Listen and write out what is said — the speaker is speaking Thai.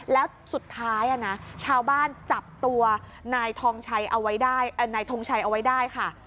แล้วสุดท้ายนะชาวบ้านจับตัวนายทองชัยเอาไว้ได้ค่ะ